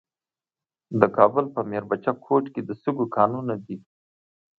د کابل په میربچه کوټ کې د شګو کانونه دي.